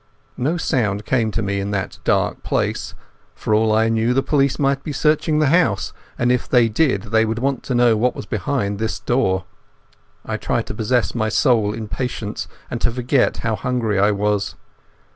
No sound came to me in that dark place. For all I knew the police might be searching the house, and if they did they would want to know what was behind this door. I tried to possess my soul in patience, and to forget how hungry I was.